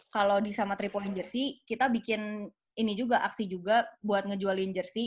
kalau di sama tiga jersey kita bikin ini juga aksi juga buat ngejualin jersi